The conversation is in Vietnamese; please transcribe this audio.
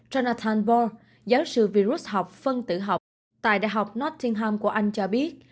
jonathan ball giáo sư virus học phân tử học tại đại học nottingham của anh cho biết